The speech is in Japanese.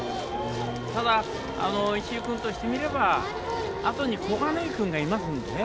ただ石井くんとしてみれば後に小金井君がいますのでね